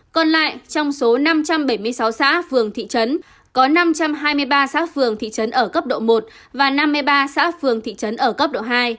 còn lại trong số năm trăm bảy mươi sáu xã phường thị trấn có năm trăm hai mươi ba xã phường thị trấn ở cấp độ một và năm mươi ba xã phường thị trấn ở cấp độ hai